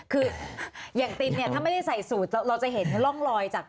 คืออย่างตินเนี่ยถ้าไม่ได้ใส่สูตรเราจะเห็นร่องรอยจาก